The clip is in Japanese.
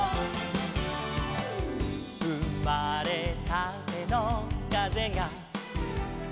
「うまれたてのかぜが」